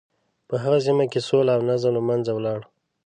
په هغه سیمه کې سوله او نظم له منځه ولاړ.